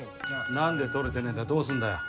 何で撮れてねぇんだどうすんだよ。